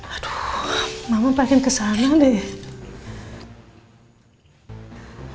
aduh mama pengen ke sana deh